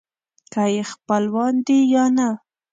که یې خپلوان دي یا نه.